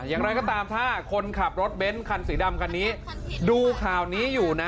อย่างไรก็ตามถ้าคนขับรถเบ้นคันสีดำคันนี้ดูข่าวนี้อยู่นะ